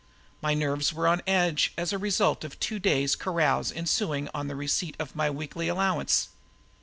My nerves were on edge as a result of a two days' carouse ensuing on the receipt of my weekly allowance.